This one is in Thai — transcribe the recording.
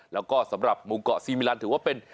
แล้วก็สำหรับมุงเกาะซีมิลันถือว่าเป็น